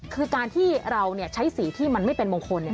คือการที่เราเนี่ยใช้สีที่มันไม่เป็นมงคลเนี่ย